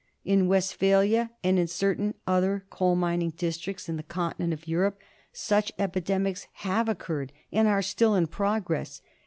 In Westphalia, and in certain other coal mining districts in the continent of Europe, such epidemics have occurred and are still in progress.